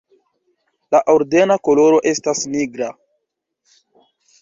La ordena koloro estas nigra.